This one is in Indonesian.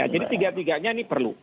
jadi tiga tiganya ini perlu